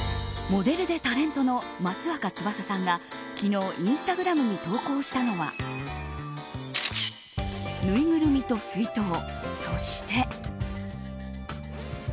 モデルでタレントの益若つばささんが昨日、インスタグラムに投稿したのはぬいぐるみと水筒、そして。